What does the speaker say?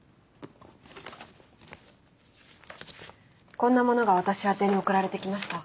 こんなものが私宛てに送られてきました。